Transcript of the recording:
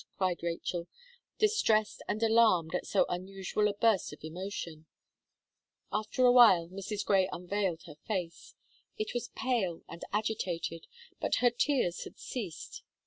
cried Rachel, distressed and alarmed at so unusual a burst of emotion. After a while, Mrs. Gray unveiled her face. It was pale and agitated; but her tears had ceased.